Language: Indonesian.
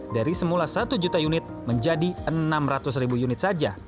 dari semula satu juta unit menjadi enam ratus ribu unit saja